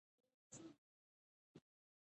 موخو ته رسیدل هڅه غواړي.